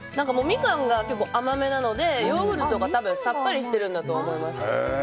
ミカンが甘めなのでヨーグルトが多分さっぱりしてるんだと思います。